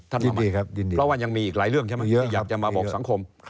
ท่านมาใหม่เพราะว่ายังมีอีกหลายเรื่องใช่ไหม